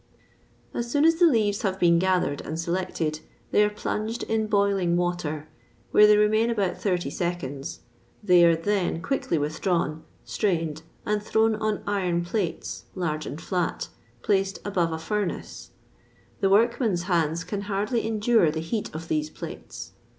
As soon as the leaves have been gathered and selected, they are plunged in boiling water, where they remain about thirty seconds; they are then quickly withdrawn, strained, and thrown on iron plates, large and flat, placed above a furnace: the workmen's hands can hardly endure the heat of these plates.